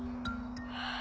はあ。